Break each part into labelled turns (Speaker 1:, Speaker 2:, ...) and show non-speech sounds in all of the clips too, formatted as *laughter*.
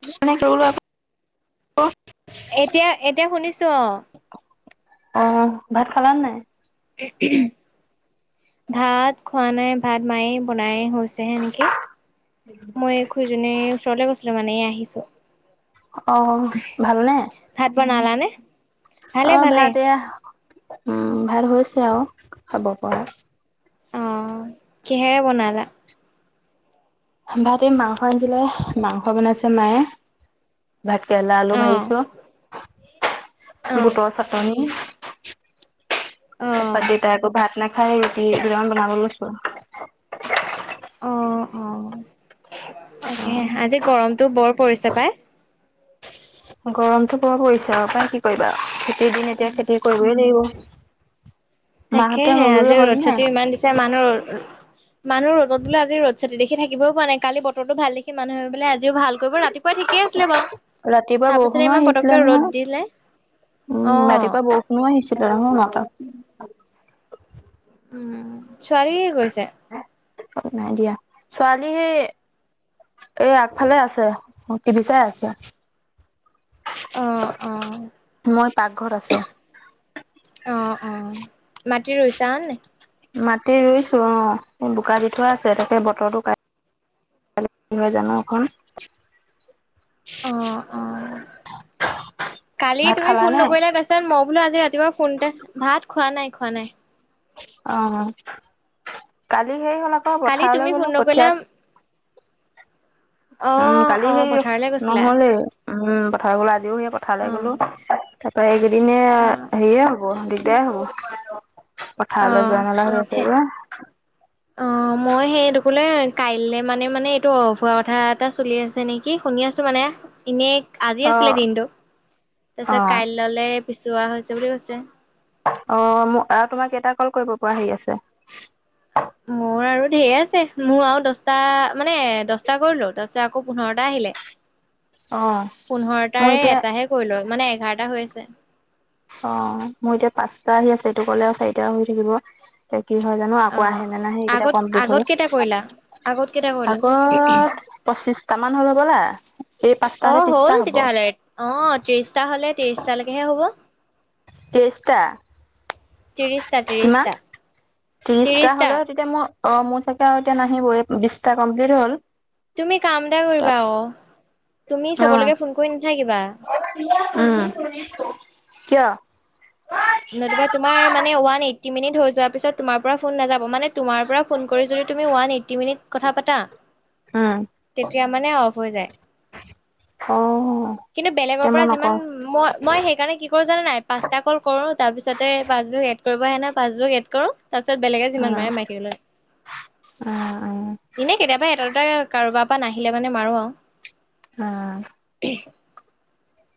Speaker 1: *unintelligible*
Speaker 2: এতিয়া এতিয়া শুনিছো অ
Speaker 1: অ, ভাত খালা নাই।
Speaker 2: *unintelligible* ভাত খোৱা নাই। ভাত মায়েই বনাই হৈছে হে নেকি। মই এই খুৰীজনীৰ ওচৰলে গৈছিলো মানে, এই আহিছোঁ।
Speaker 1: অ' ভালনে?
Speaker 2: ভাত বনালা নে?
Speaker 1: অ' ভাত এয়া উম' ভাত হৈছে আৰু খাব পৰা।
Speaker 2: অ' কিহেৰে বনালা?
Speaker 1: মাংস আনিছিলে, মাংস বনাইছে মায়ে। ভাত কেৰেলা আলু
Speaker 2: অ
Speaker 1: ভাজিছো,
Speaker 2: অ
Speaker 1: বুটৰ চাটনি।
Speaker 2: অ
Speaker 1: তাপা দেতাই আকৌ ভাত নাখায় ৰুটি দুটামান বনাব লৈছো।
Speaker 2: অ' অ '
Speaker 1: অ',
Speaker 2: তাকেহে আজি গৰমটো বৰ পৰিছে পাই।
Speaker 1: গৰমটো বৰ পৰিছে আৰু পাই, কি কৰিবা। দুদিন এতিয়া খেতি কৰিবই লাগিব। মাহতে ৰুই হ'ল নাই?
Speaker 2: যে মানুহৰ মানুহৰ ৰ'দত বোলে আজি ৰ'দ চাতি দেখি থাকিবই পৰা নাই, কালি বৰটো ভাল দেখি মানুহে বোলে আজিয়ে ভাল কৰিব ৰাতিপুৱা ঠিকেই আছিলে বাৰু,
Speaker 1: ৰাতিপুৱা
Speaker 2: তাৰ
Speaker 1: বৰষুণো
Speaker 2: পিছতে ইমান
Speaker 1: আহিছিলে
Speaker 2: পতককে
Speaker 1: নহয়।
Speaker 2: ৰ'দ দিলে।
Speaker 1: উম,
Speaker 2: অ',
Speaker 1: ৰাতিপুৱা বৰষুণো আহিছিলে ৰ, নটাত।
Speaker 2: উম, ছোৱালীয়ে কি কৰিছে?
Speaker 1: নাই দিয়া। ছোৱালী সেই এ আগফালে আছে, টিভি চাই আছে।
Speaker 2: অ', অ',
Speaker 1: মই পাকঘৰত আছোঁ।
Speaker 2: অ' অ' মাটি ৰুইছান নে?
Speaker 1: মাটি ৰুইছো অ', বোকা দি থোৱা আছে তাকে বতৰটো কা তাকে কি হয় জানো এখন।
Speaker 2: অ' অ' কালি
Speaker 1: ভাত
Speaker 2: তুমি
Speaker 1: খালা
Speaker 2: ফোন
Speaker 1: নে
Speaker 2: নকৰিলা তাৰপিছত মই বোলো আজি ৰাতিপুৱা ফোন এটা, ভাত খোৱা নাই খোৱা নাই।
Speaker 1: অ' কালি হে হ'ল আক
Speaker 2: কালি তুমি
Speaker 1: পথাৰলৈ
Speaker 2: ফোন
Speaker 1: গ'লো,
Speaker 2: নকৰিলা
Speaker 1: কঠিয়া উম
Speaker 2: অ',
Speaker 1: কালি
Speaker 2: অ',
Speaker 1: সেই,
Speaker 2: পথাৰলৈ গৈছিলা
Speaker 1: নহলেই উম, পথাৰ গলো আজিও সেই পথাৰলে গলো।
Speaker 2: অ',
Speaker 1: তাপা এইকেইদিনে
Speaker 2: অ',
Speaker 1: হেৰিয়ে হ'ব দিগদাৰে হ'ব। পথাৰলৈ
Speaker 2: অ',
Speaker 1: যোৱা নালা হৈছে
Speaker 2: সেই
Speaker 1: গে।
Speaker 2: অ' মই সেইটো বোলে কাইলৈ মানে মানে এইটো অ ভুৱা কথা এটা চলি আছে নেকি? শুনি আছোঁ মানে। ইনে আজি
Speaker 1: অ
Speaker 2: আছিলে দিনটো
Speaker 1: অ
Speaker 2: তাৰপিছত কাইললে পিছোৱা হৈছে বুলি কৈছে।
Speaker 1: অ' ম আৰু তোমাৰ কেইটা কল কৰিব পৰা হেৰি আছে?
Speaker 2: মোৰ আৰু ধেৰ আছে, মোৰ আৰু দছটা মানে দছটা কৰিলো তাৰপিছত আকৌ পোন্ধৰটা আহিলে।
Speaker 1: অ মই
Speaker 2: পোন্ধৰটাৰে
Speaker 1: এতিয়া
Speaker 2: এটাহে কৰিলো মানে এঘাৰটা হৈ আছে।
Speaker 1: অ' মোৰ এতিয়া পাঁচটা আহি আছে এইটো গলে আৰু চাৰিটা হৈ থাকিব। এতিয়া কি হয় জানো
Speaker 2: অ
Speaker 1: আকৌ আহেনে নাহে সেইকেইটা
Speaker 2: আগত
Speaker 1: কমপ্লিট
Speaker 2: আগত
Speaker 1: হ'লে।
Speaker 2: কেইটা কৰিলা আগত কেইটা কৰিলা
Speaker 1: আগৰ পঁচিশটামান হ'ল হ'বলা? এই পাঁচটা হলে
Speaker 2: অ'
Speaker 1: ত্ৰিশটা
Speaker 2: হ'ল
Speaker 1: হ'ব
Speaker 2: তেতিয়াহ'লে, অ তেইছটাহ'লে তেইছটালৈকেহে হ'ব।
Speaker 1: তেয়ছটা?
Speaker 2: ত্ৰিশটা ত্ৰিশটা
Speaker 1: কিমান? ত্ৰিশটা
Speaker 2: ত্ৰিশটা
Speaker 1: হ'লে তেতিয়া মোৰ অ' মোৰ চাগে আৰু এতিয়া নাহিবই, বিশটা কমপ্লিট হ'ল।
Speaker 2: তুমি কাম এটা কৰিবা আকৌ, তুমি
Speaker 1: অ
Speaker 2: চবলৈকে ফোন কৰি নাথাকিবা।
Speaker 1: উম', কিয়?
Speaker 2: নতুবা তু তোমাৰ মানে ওৱান এইটি মিনিট হৈ যোৱাৰ পিছত তোমাৰ পৰা ফোন নেযাব মানে তোমাৰ পৰা ফোন কৰি যদি তুমি ওৱান এইটি মিনিট কথা পাতা
Speaker 1: উম
Speaker 2: তেতিয়া মানে অফ হৈ যায়।
Speaker 1: অ
Speaker 2: কিন্তু বেলেগৰ
Speaker 1: এতিয়া
Speaker 2: পৰা
Speaker 1: মই
Speaker 2: যিমান
Speaker 1: নকওঁ
Speaker 2: মই মই সেইকাৰণে কি কৰোঁ জানা নাই? পাঁচটা কল কৰ তাৰ পিছতে পাচবুক এড কৰিব আহে ন, পাচবুক এড কৰোঁ তাৰ পিছত বেলেগে
Speaker 1: উম
Speaker 2: যিমান মাৰে মাৰি থাকিবলৈ।
Speaker 1: উম উম
Speaker 2: এনে কেতিয়াবা এটা দুটা কাৰোবাৰ পৰা নাহিলে মানে মাৰো আৰু।
Speaker 1: আ',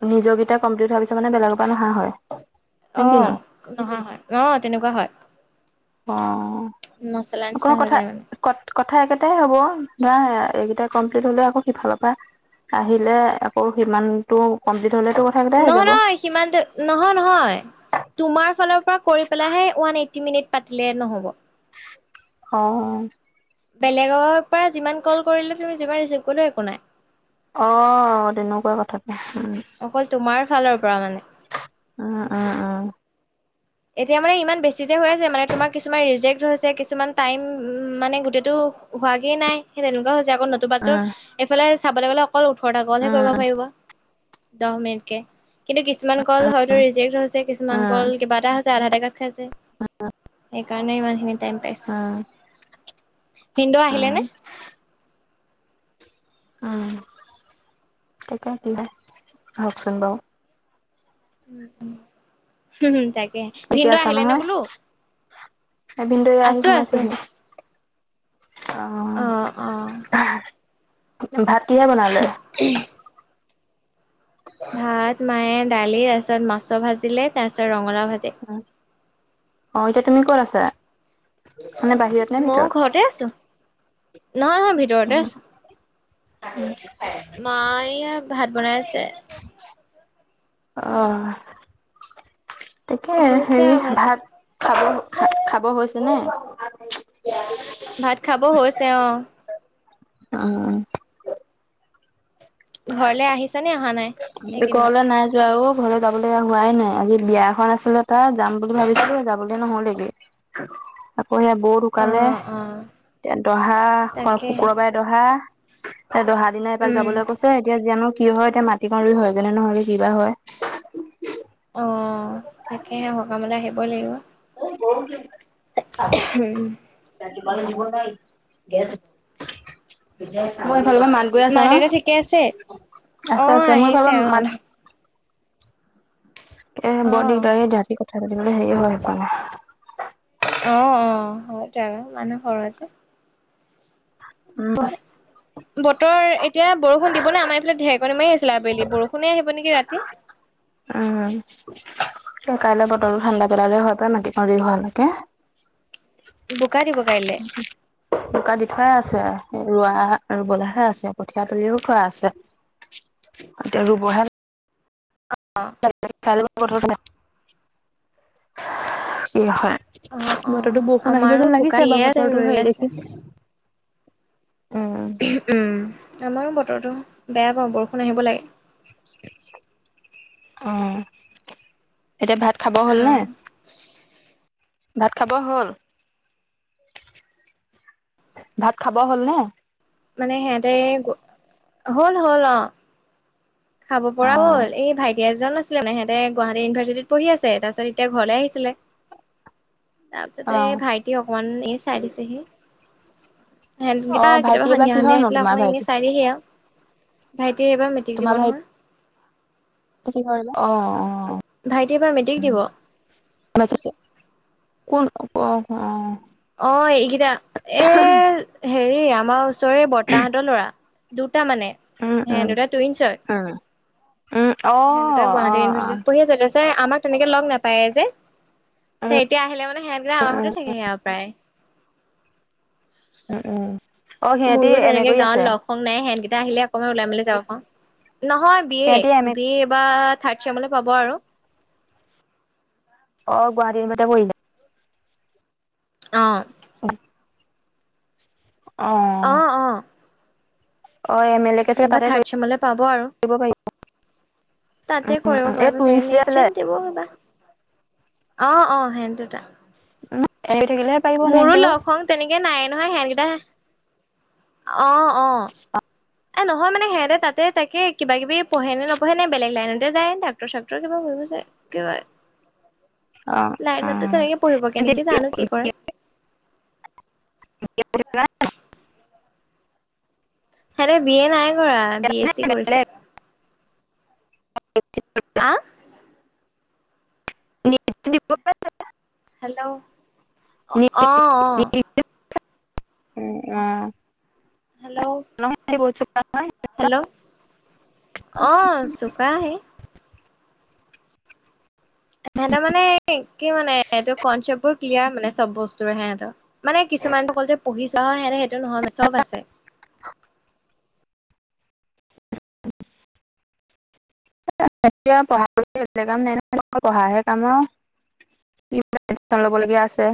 Speaker 1: নিজৰ গিটা কমপ্লিট হোৱাৰ পিছত মানে বেলেগৰ পৰা নাহা হয়। নে
Speaker 2: অহ
Speaker 1: কিনো
Speaker 2: নহা হয়, অহ তেনেকুৱা হয়।
Speaker 1: অ,
Speaker 2: নচলা
Speaker 1: ক
Speaker 2: নিচিনা হৈ
Speaker 1: কথা
Speaker 2: যায় মানে
Speaker 1: কথ কথা একেটাই হ'ব, না এইকেইটাই কমপ্লিট হলে আকৌ সিফালৰ পৰা আহিলে আকৌ সিমানটো কম্প্লীট হলেটো
Speaker 2: নহয় নহয় সিমান তে নহয় নহয়। তোমাৰ ফালৰ পৰা কৰি পেলাইহে ওৱান এইটটি মিনিট পাতিলে নহ'ব।
Speaker 1: অ।
Speaker 2: বেলেগৰ পৰা যিমান কল কৰিলে তুমি যিমান ৰিচিভ কৰিলো একো নাই।
Speaker 1: অ তেনেকুৱা কথাটো উহু।
Speaker 2: অকল তোমাৰ ফালৰ পৰা মানে।
Speaker 1: উম উম উম।
Speaker 2: এতিয়া মানে ইমান বেছি যে হৈ আছে মানে তোমাৰ কিছুমান ৰিজেক্ট হৈছে, কিছুমান টাইম মানে গোটেইটো হোৱাগে নাই সেই তেনেকুৱা হৈছে আকৌ ন *unintelligible* তোৰ এইফালে চাবলৈ গ'লে অকল ওঠৰটা
Speaker 1: উম
Speaker 2: কলহে
Speaker 1: উম
Speaker 2: কৰিব পাৰিব। দহ মিনিটকে কিন্তু কিছুমান কল হয়তো ৰিজেক্ট হৈছে,
Speaker 1: উম
Speaker 2: কিছুমান
Speaker 1: উম
Speaker 2: কল কিবা এটা হৈছে, আধা *unintelligible* খাইছে সেইকাৰণে ইমানখিনি টাইম পাইছে।
Speaker 1: উম
Speaker 2: ভিনদেও আহিলে
Speaker 1: উম
Speaker 2: নে?
Speaker 1: উম, তাকে কিহে আহকচোন বাৰু।
Speaker 2: উম উম, হু হুম তাক
Speaker 1: ঠিকে আছা নহয়, এ ভিনদই আহি
Speaker 2: আছো আছো
Speaker 1: সোমাইছেহি।
Speaker 2: অ
Speaker 1: অঁ,
Speaker 2: অ
Speaker 1: ভা ভাত কিহে বনালে?
Speaker 2: উমহ
Speaker 1: *inaudible*
Speaker 2: ভাত মায়ে দালি তাৰ পিছত মাছৰ ভাজিলে তাৰ পিছত ৰঙালাও ভাজি।
Speaker 1: অঁ এতিয়া তুমি কত আছা? মানে বাহিৰত নে
Speaker 2: মই
Speaker 1: ভিতৰত
Speaker 2: ঘৰতে আছো, নহয় নহয় ভিতৰতে আছো। মাই এইয়া ভাত বনাই আছে।
Speaker 1: অ তাকে
Speaker 2: হৈছে
Speaker 1: হেৰি
Speaker 2: আৰু
Speaker 1: ভাত খাব খাব হৈছে নে?
Speaker 2: ভাত খাব হৈছে অঁ।
Speaker 1: অঁ
Speaker 2: ঘৰলে আহিছে নে অহা নাই।
Speaker 1: উম
Speaker 2: এইকেইদিনত?
Speaker 1: ঘৰলে নাই যোৱা ঔ ঘৰলৈ যাবলৈ হোৱাই নাই আজি বিয়া এখন আছিলে তাত যাম বুলি ভাবিছিলো যাবলৈ নহলেগেই। আকৌ সেয়া বৌ ঢুকালে
Speaker 2: অ', অ',
Speaker 1: তে দহা
Speaker 2: তাকে
Speaker 1: শুকুৰবাৰে দহা, হে দহা দিনত এপাক
Speaker 2: উম,
Speaker 1: যাবলৈ কৈছে এতিয়া জানো কি হয় এতিয়া মাটিমা ৰুই হয়গে নহয়গে কিবা হয়।
Speaker 2: অঁ তাকেহে সকামলে আহিবই লাগিব।
Speaker 1: *inaudible* *unintelligible* গৈ আছ ন,
Speaker 2: মা দেউতা ঠিকে আছে?
Speaker 1: আছে
Speaker 2: অ',
Speaker 1: আছে মই ভাবো
Speaker 2: আহিছে অ'
Speaker 1: মা
Speaker 2: অলপ
Speaker 1: এ
Speaker 2: অ'।
Speaker 1: বৰ দিগদাৰ দেই ৰাতি কথা পাতিবলৈ হেৰি হয় সেইকাৰণে।
Speaker 2: অঁ অঁ হয়তো আৰু মানুহ সৰৰ যে।
Speaker 1: উম
Speaker 2: বতৰ এতিয়া বৰষুণ দিব নে আমাৰ এইফালে ঢেৰেকণি মাৰি আছিলে আবেলি বৰ কোনে আহিব নেকি ৰাতি?
Speaker 1: উম কাইলৈ বতলটো ঠাণ্ডা পেলালে হয় পায়, মাটিক দি হোৱালৈকে।
Speaker 2: বোকা দিব কাইলৈ।
Speaker 1: বোকা দি থোৱাই আছে, ৰোৱা ৰুবলৈহে আছে কঠিয়া তলিও থোৱা আছে। এতিয়া ৰুবহে
Speaker 2: অঁ
Speaker 1: *inaudible*
Speaker 2: অ', অ',
Speaker 1: বতৰো বৰষুণ আহিব
Speaker 2: আমাৰো
Speaker 1: যেন
Speaker 2: বোকা
Speaker 1: লাগিছে
Speaker 2: দিয়ে
Speaker 1: বাৰু
Speaker 2: আছে,
Speaker 1: বতৰটো
Speaker 2: ৰৈ
Speaker 1: হেৰি
Speaker 2: আছে।
Speaker 1: দেখি। উম
Speaker 2: উম আমাৰো বতৰটো বেয়া পাওঁ বৰষুণ আহিব লাগে।
Speaker 1: অঁ এতিয়া ভাত খাব।
Speaker 2: অঁ
Speaker 1: ভাত খাব হ'ল, ভাত খাব হ'ল নে?
Speaker 2: মানে সিহতে হল হ'ল অঁ। খাব
Speaker 1: অ
Speaker 2: পৰা হ'ল এই ভাইটি এজন আ ছে ইহঁতে গুৱাহাটী ইউনিাৰ্চিটিত পঢ়ি আছে তাৰপিছত এতিয়া ঘৰলে আহিছিলে।
Speaker 1: অ
Speaker 2: তাৰপিছতে ভাইটি অকমান এই চাই দিছেহি।
Speaker 1: অ
Speaker 2: হেহেতকিতা
Speaker 1: ভাইটি
Speaker 2: কেতিয়াবা
Speaker 1: এইবাৰ
Speaker 2: সন্ধিয়া
Speaker 1: কিহৰ
Speaker 2: সন্ধিয়া
Speaker 1: নো
Speaker 2: আহি পেলাই
Speaker 1: তোমাৰ
Speaker 2: অকমান
Speaker 1: ভাইটি
Speaker 2: এনেই চাই দিয়েহি আও। ভাইটিয়ে এইবাৰ মেট্ৰিক দিব নহয়।
Speaker 1: কি কৰিবা? অ', অ', অ'।
Speaker 2: ভাইটিয়ে এইবাৰ মেট্ৰিক দিব।
Speaker 1: *unintelligible* কোন? অ', অ'।
Speaker 2: অ', এইকেইটা, এই হেৰি, আমাৰ ওচৰৰে বৰ্তাহতৰ ল'ৰা। দুটা মানে,
Speaker 1: উম উম
Speaker 2: সেহেত দুটা টুইঞ্চ হয়।
Speaker 1: উম উম, অ'।
Speaker 2: সেহেত দুটা
Speaker 1: অ
Speaker 2: গুৱাহাটী
Speaker 1: অ
Speaker 2: ইউনাৰ্চিত পঢ়ি আছে *unintelligible* আমাক তেনেকে লগ নাপায়েই যে, এতিয়া আহিলে মানে সেহতগিতা আমাৰ ঘৰতেই থাকেহি আও প্ৰায়।
Speaker 1: উম উম, অ', সিহঁতি
Speaker 2: মোৰো
Speaker 1: এম এ
Speaker 2: তেনেকে
Speaker 1: কৰি
Speaker 2: গাঁৱত
Speaker 1: আছে।
Speaker 2: লগ সংগ নাই, সিহঁতকেইটা আহিলে অকনমান ওলাই মেলি যাব পাওঁ, নহয় বি এ,
Speaker 1: সিহঁতি এম
Speaker 2: বি এ এইবাৰ থাৰ্ড চেমলৈ পাব আৰু।
Speaker 1: অ', গুৱাহাটী *unintelligible* পঢ়িছে।
Speaker 2: অ'।
Speaker 1: অহ।
Speaker 2: অ', অ'।
Speaker 1: অ', এম এল এ কে চাগে
Speaker 2: এইবাৰ
Speaker 1: তাতেই
Speaker 2: থাৰ্ড
Speaker 1: কৰি
Speaker 2: চেমলৈ পাব
Speaker 1: *unintelligible* দিব পাৰিব।
Speaker 2: তাতেই
Speaker 1: উম,
Speaker 2: কৰিব
Speaker 1: উম, এই
Speaker 2: পাৰিব চাগে,
Speaker 1: টুইনচ যে
Speaker 2: নেট
Speaker 1: আছিলে
Speaker 2: চেট দিব এইবাৰ। অ', অ', সেহেত দুটা।
Speaker 1: *unintelligible* থাকিলেহে পাৰিব নেট
Speaker 2: মোৰো
Speaker 1: দিব অ,
Speaker 2: লগ সংগ তেনেকে নাইয়েই নহয়, সেহেতকেইটা, অ', অ'।
Speaker 1: *inaudible*
Speaker 2: এ নহয় মানে সিহঁতে তাতে তাকেই কিবা কিবি পঢ়ে নে নপঢ়ে, নে বেলেগ লাইনতেই যায়, ডাক্তৰ চাক্তৰ কিবা পঢ়িব যায়। কিবা
Speaker 1: অ,
Speaker 2: লাইনতেই তেনেকেই পঢ়িব, কেনেকে জানো কি কৰে?
Speaker 1: *inaudible*
Speaker 2: সেহেতে বি এ নাই কৰা, বি এচ চি কৰিছে।
Speaker 1: *inaudible*
Speaker 2: আ?
Speaker 1: *inaudible* *unintelligible*
Speaker 2: হেল্ল' অ অ
Speaker 1: উম, অ'।
Speaker 2: হেল্ল'।
Speaker 1: *inaudible*
Speaker 2: হেল্ল', অ', চোকা হেই। এহঁতৰ মানে, কি মানে? এইটো কনচেপ্ট বোৰ ক্লিয়াৰ মানে, চব বস্তুৰে সিহতৰ। মানে কিছুমানটো অকল যে পঢ়ি যোৱা হয়, সেহেতে সেইটো নহয়, চব আছে।
Speaker 1: *unintelligible* *unintelligible* অকল পঢ়া হে কাম আৰু। *unintelligible* *unintelligible* ল'বলগীয়া আছে।